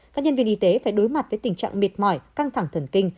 các nhân viên y tế phải đối mặt với tình trạng mệt mỏi căng thẳng thần kinh